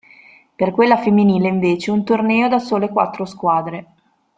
Per quella femminile invece un torneo da sole quattro squadre.